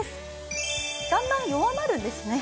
だんだん弱まるんですね。